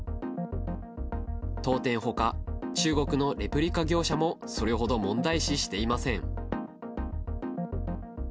当店ほか、中国のレプリカ業者もそれほど問題視していません。